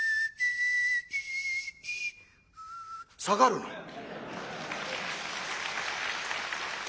下がるの。